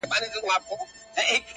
• له لمبو يې تر آسمانه تلل دودونه,